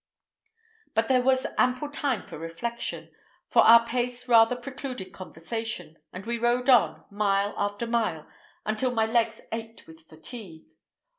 But there was ample time for reflection; for our pace rather precluded conversation, and we rode on, mile after mile, until my legs ached with fatigue.